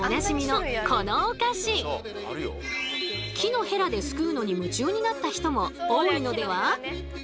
木のヘラですくうのに夢中になった人も多いのでは？